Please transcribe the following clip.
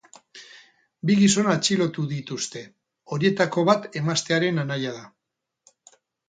Bi gizon atxilotu dituzte, horietako bat emaztearen anaia da.